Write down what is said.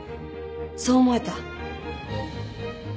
そう思えた。